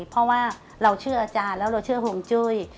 เพราะว่าเราเชื่ออาจารย์แล้วเราเชื่อห่วงจุ้ย